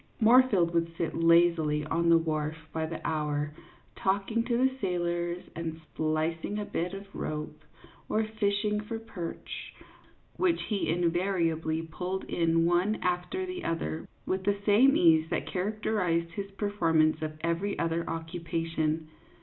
Moorfield would sit lazily on the wharf by the hour, talking to the sailors and splicing a bit of rope, or fishing for perch, which he invariably pulled in one after the other with the same ease that char acterized his performance of every other occupation.